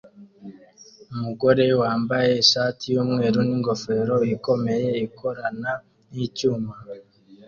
Umugabo wambaye ishati yumweru ningofero ikomeye ikorana nicyuma